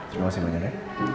terima kasih banyak ya